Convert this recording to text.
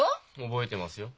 覚えてますよ。